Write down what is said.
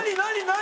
何？